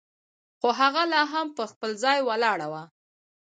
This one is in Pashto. خو هغه لا هم پر خپل ځای ولاړه وه.